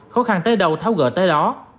khó khăn tới đâu tháo gỡ tới đó